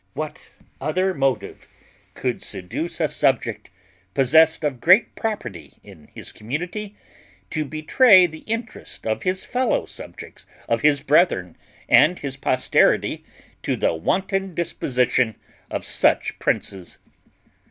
What other motive could seduce a subject, possessed of great property in his community, to betray the interest of his fellow subjects, of his brethren, and his posterity, to the wanton disposition of such princes?